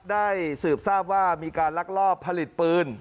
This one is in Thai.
สืบทราบว่ามีการลักลอบผลิตปืน